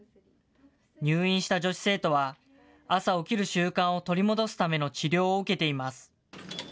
入院した女子生徒は、朝起きる習慣を取り戻すための治療を受けています。